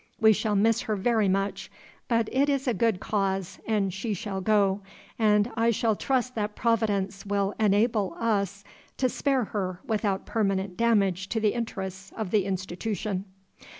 We shall miss her very much; but it is a good cause, and she shall go, and I shall trust that Providence will enable us to spare her without permanent demage to the interests of the Institootion."